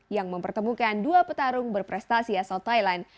yang mempertemukan dua petarung berprestasi asal thailand